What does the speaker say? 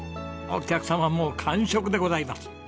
お客様もう完食でございます。